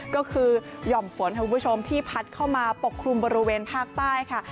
ก็คือหย่อมฝนค่ะคุณผู้ชมที่พัดเข้ามาปกคลุมบริเวณภาคใต้ค่ะ